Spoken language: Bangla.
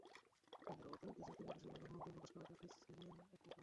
তিনি তাঁর অবস্থানে কৃষি অর্থনীতির বিষয়গুলো গণমাধ্যমে প্রকাশ করার ক্ষেত্রে ছিলেন অকপট।